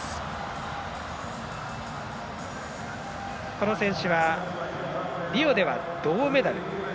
この選手はリオでは銅メダル。